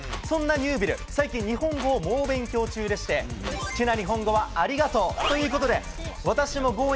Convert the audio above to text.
そんなニュービルは最近、日本語を猛勉強中でして好きな日本語は「ありがとう」ということで私も「Ｇｏｉｎｇ！」